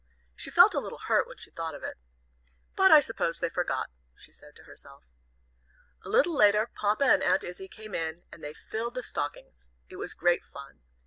She felt a little hurt when she thought of it. "But I suppose they forgot," she said to herself. A little later Papa and Aunt Izzie came in, and they filled the stockings. It was great fun.